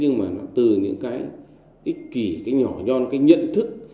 nhưng mà nó từ những cái ích kỷ cái nhỏ nhon cái nhận thức